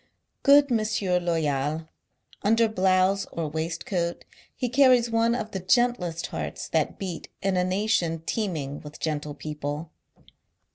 Good M. Loyal ! Under blouse or waistcoat, he carries one of the gentlest hearts that beat in a nation teeming with gentle people.